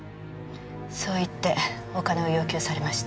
そう言ってお金を要求されました。